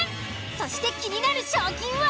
そして気になる賞金は？